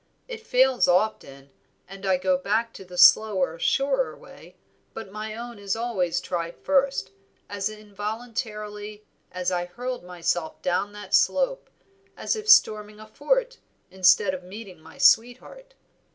It fails often, and I go back to the slower surer way; but my own is always tried first, as involuntarily as I hurled myself down that slope, as if storming a fort instead of meeting my sweetheart.